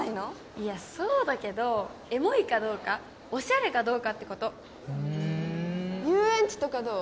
いやそうだけどエモいかどうかオシャレかどうかってことふん遊園地とかどう？